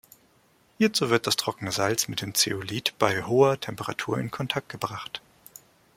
Hierzu wird das trockene Salz mit dem Zeolith bei hoher Temperatur in Kontakt gebracht.